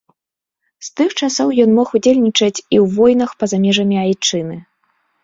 З тых часоў ён мог удзельнічаць і ў войнах па-за межамі айчыны.